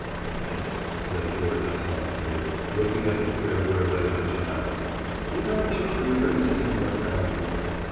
"Yes," said Georgia softly, looking at the crib where lay her child, "in our children there is immortality.